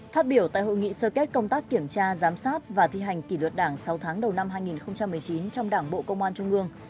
phát biểu tại hội nghị sơ kết công tác kiểm tra giám sát và thi hành kỷ luật đảng sáu tháng đầu năm hai nghìn một mươi chín trong đảng bộ công an trung ương